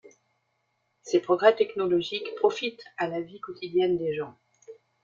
Ces progrès technologiques profitent à la vie quotidienne des gens.